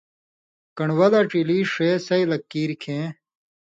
کنڈوہ لا ڇیلی ݜے سئ لک کیریۡ کھیں